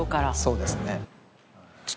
そうですね。